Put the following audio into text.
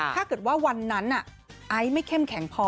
ถ้าเกิดว่าวันนั้นไอซ์ไม่เข้มแข็งพอ